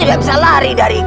kau tidak bisa lari dariku